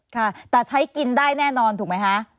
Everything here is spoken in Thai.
ค่ะแต่ใช้กินได้แน่นอนถูกไหมคะ